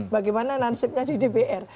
bagaimana nasibnya di dpr